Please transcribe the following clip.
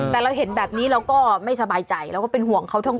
แต่เราเห็นแบบนี้เราก็ไม่สบายใจแล้วก็เป็นห่วงเขาทั้งคู่